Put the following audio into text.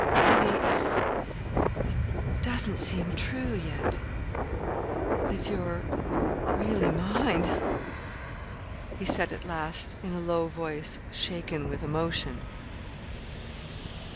"Billy, it doesn't seem true, yet, that you're really mine," he said at last, in a low voice shaken with emotion.